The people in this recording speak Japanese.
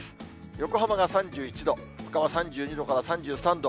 横浜が３１度、ほかは３２度から３３度。